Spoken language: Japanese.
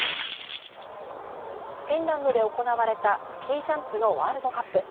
フィンランドで行われたスキージャンプのワールドカップ。